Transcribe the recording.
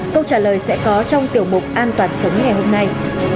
câu trả lời sẽ có trong tiểu mục an toàn sống ngày hôm nay